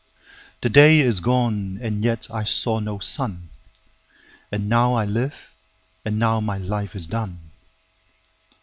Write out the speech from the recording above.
5The day is gone and yet I saw no sun,6And now I live, and now my life is done.